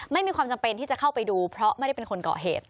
ไม่มีความจำเป็นที่จะเข้าไปดูเพราะไม่ได้เป็นคนเกาะเหตุ